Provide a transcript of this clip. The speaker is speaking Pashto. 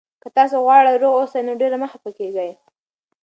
که تاسي غواړئ روغ اوسئ، نو ډېر مه خفه کېږئ.